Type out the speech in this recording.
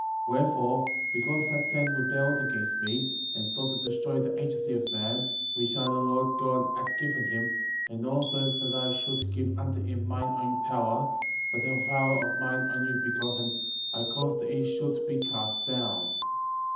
* 3. Wherefore, because that Satan rebelled against me,^ and sought to destroy the agency of man,*' which I, the Lord God, had given him, and also, that I should give unto him mine own power ; by the power of mine Only Begotten,^ I caused that he should be cast down;*" 4.